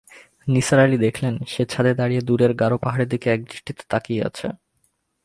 নিসার আলি দেখলেন, সে ছাদে দাঁড়িয়ে দূরের গারো পাহাড়ের দিকে একদৃষ্টিতে তাকিয়ে আছে।